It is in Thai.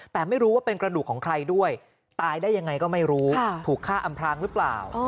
แต่ไม่รู้ว่าเป็นกระดูกของใครด้วยตายได้ยังไงก็ไม่รู้ถูกฆ่าอำพลางหรือเปล่า